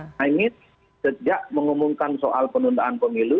nah ini sejak mengumumkan soal penundaan pemilu